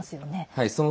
はい。